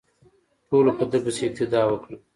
ټولو په ده پسې اقتدا وکړه.